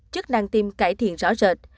chức năng tim cải thiện rõ rệt